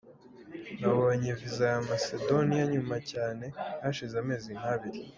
Nabonye viza ya Macedonia nyuma cyane hashize amezi nk’abiri.